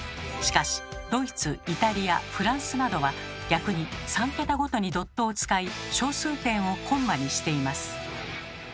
しかしドイツイタリアフランスなどは逆に３桁ごとにドットを使い小数点をコンマにしています。